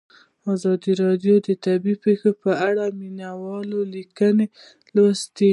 ازادي راډیو د طبیعي پېښې په اړه د مینه والو لیکونه لوستي.